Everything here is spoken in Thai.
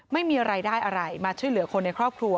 ไม่มีรายได้อะไรมาช่วยเหลือคนในครอบครัว